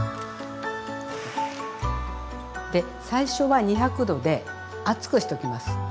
で最初は２００℃で熱くしときます。